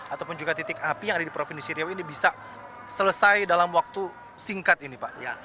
ataupun juga titik api yang ada di provinsi riau ini bisa selesai dalam waktu singkat ini pak